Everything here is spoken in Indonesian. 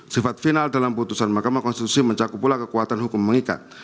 sifat final dalam putusan mahkamah konstitusi mencakup pula kekuatan hukum mengikat